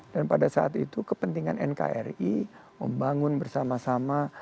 dan pada saat itu kepentingan nkri membangun bersama sama